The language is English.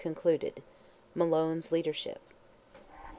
(CONCLUDED)—MALONE'S LEADERSHIP.